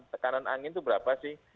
tekanan angin itu berapa sih